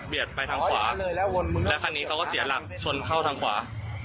ไปทางขวาแล้วคันนี้เขาก็เสียหลักชนเข้าทางขวา